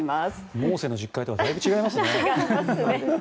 モーセの十戒とはだいぶ違いますね。